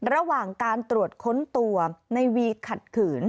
ระหว่างการตรวจค้นตัวในวีขัดขืน